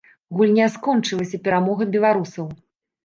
Гульня скончылася перамогай беларусаў.